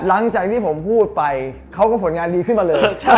หลังจากที่ผมพูดไปเขาก็ผลงานดีขึ้นมาเลย